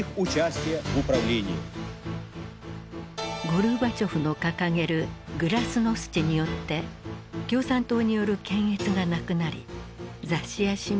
ゴルバチョフの掲げるグラスノスチによって共産党による検閲がなくなり雑誌や新聞が次々と創刊。